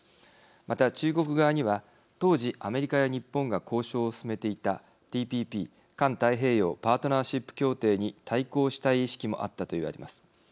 また中国側には当時アメリカや日本が交渉を進めていたＴＰＰ＝環太平洋パートナーシップ協定に対抗したい意識もあったと言われます。